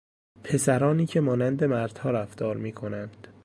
پسرانی که مانند مردها رفتار میکنند